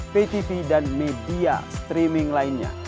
ptv dan media streaming lainnya